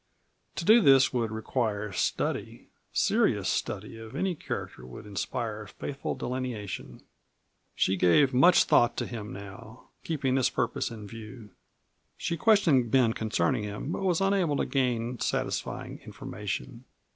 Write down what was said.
To do this would require study. Serious study of any character would inspire faithful delineation. She gave much thought to him now, keeping this purpose in view. She questioned Ben concerning him, but was unable to gain satisfying information.